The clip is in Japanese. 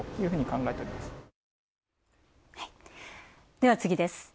では、次です。